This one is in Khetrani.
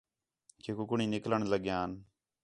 کہ کُکڑیں نِکلݨ لڳیان